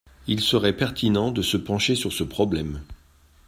Il serait pertinent de se pencher sur ce problème.